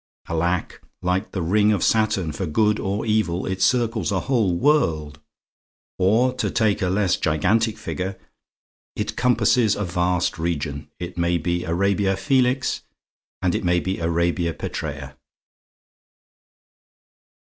Alack! like the ring of Saturn, for good or evil, it circles a whole world. Or, to take a less gigantic figure, it compasses a vast region: it may be Arabia Felix, and it may be Arabia Petrea.